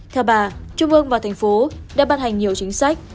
theo bà trung ương và thành phố đã ban hành nhiều chính sách